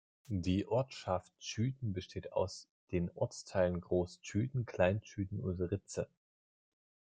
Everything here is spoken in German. Die Ortschaft Chüden besteht aus den Ortsteilen Groß Chüden, Klein Chüden und Ritze.